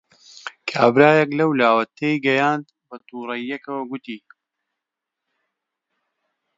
کابرایەک لەولاوە تێی گەیاند، بەتووڕەیییەکەوە گوتی: